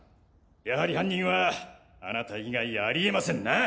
やはり犯人はあなた以外あり得ませんな。